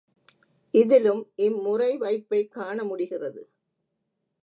இதிலும் இம் முறைவைப்பைக் காண முடிகிறது.